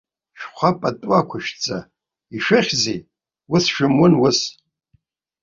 Шәхы пату ақәышәҵа, ишәыхьзеи, ус шәымун ус!